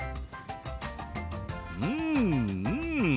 うんうん！